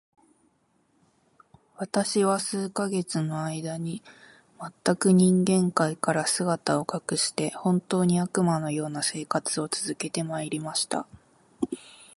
私は数ヶ月の間、全く人間界から姿を隠して、本当に、悪魔の様な生活を続けて参りました。